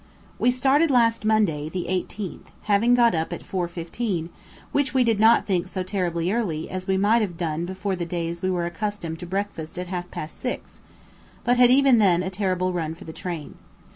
We started last Monday, the 18th, having got up at 4:15, which we did not think so terribly early as we might have done before the days we were accustomed to breakfast at half past 6, but had even then a terrible run for the train.